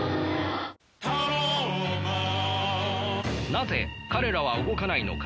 なぜ彼らは動かないのか。